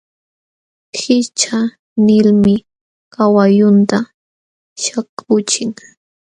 Hishcha nilmi kawallunta śhaakuuchin.